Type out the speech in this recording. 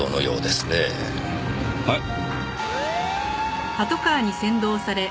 はい？